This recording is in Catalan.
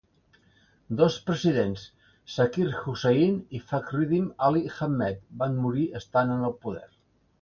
Dos presidents, Zakir Husain i Fakhruddin Ali Ahmed, van morir estant en el poder.